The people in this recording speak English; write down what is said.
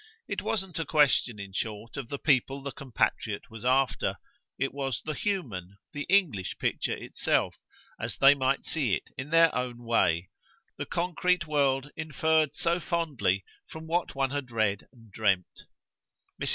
It wasn't a question, in short, of the people the compatriot was after; it was the human, the English picture itself, as they might see it in their own way the concrete world inferred so fondly from what one had read and dreamed. Mrs.